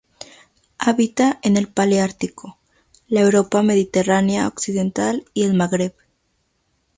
Habita en el paleártico: la Europa mediterránea occidental y el Magreb.